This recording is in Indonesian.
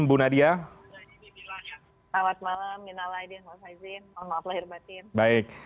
bu nadia selamat malam minal aidin wal faizin mohon maaf lahir batin